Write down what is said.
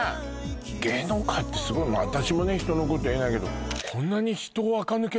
芸能界ってすごい私もね人のこと言えないけどんだね